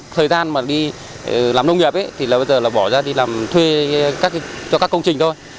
thời gian mà đi làm nông nghiệp thì là bây giờ là bỏ ra đi làm thuê cho các công trình thôi